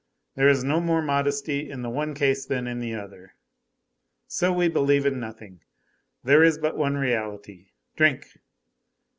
There is no more modesty in the one case than in the other. So we believe in nothing. There is but one reality: drink.